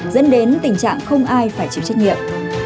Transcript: dẫn đến tình trạng không ai phải chịu trách nhiệm